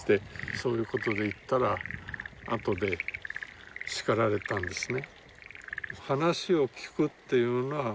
そういうことで言ったらあとで叱られたんですね。